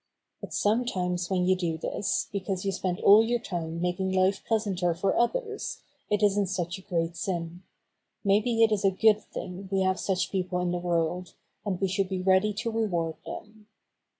But sometimes when you do this, because you spend all your time making life pleasanter 184 Bobby Gray Squirrel's Adventures for others, it isn't such a great sin. Maybe it is a good thing we have such people in the world, and we should be ready to reward them.